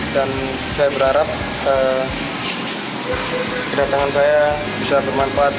dan saya berharap kedatangan saya bisa bermanfaat